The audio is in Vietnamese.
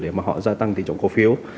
để mà họ gia tăng tỷ trọng cổ phiếu